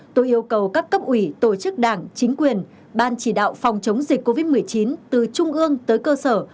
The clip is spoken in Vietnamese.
tôi yêu cầu các cấp ủy tổ chức đảng chính quyền ban chỉ đạo phòng chống dịch covid một mươi chín từ trung ương tới cơ sở